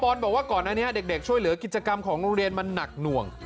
บอกว่าก่อนอันนี้เด็กช่วยเหลือกิจกรรมของโรงเรียนมันหนักหน่วง